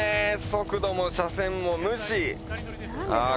速度も車線も無視ああ